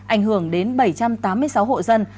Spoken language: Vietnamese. ảnh hưởng đến bảy trăm tám mươi sáu hộ dân